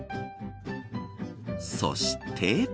そして。